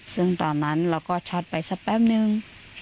ซึ่งตอนนั้นเราก็ช็อตไปสักแป๊บนึง